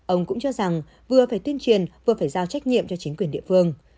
ông cũng cho rằng vừa phải tuyên truyền vừa phải giao trách nhiệm cho chính quyền địa phương